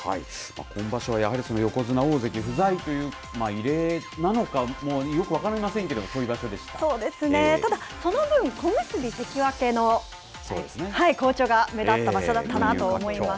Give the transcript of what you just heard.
今場所はやはり横綱、大関不在という異例なのかよく分かりませんけどもただ、その分、小結、関脇の好調が目立った場所だったなと思います。